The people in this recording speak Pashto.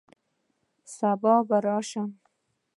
سبا به راشم